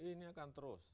ini akan terus